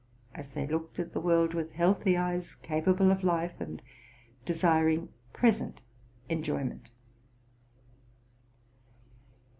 as they looked at the world with healthy eyes, capa ble of life, and desiring present enjoyment.